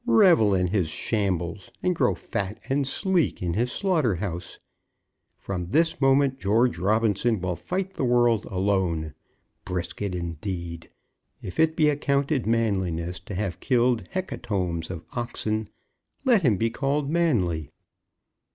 Revel in his shambles, and grow fat and sleek in his slaughter house! From this moment George Robinson will fight the world alone. Brisket, indeed! If it be accounted manliness to have killed hecatombs of oxen, let him be called manly!"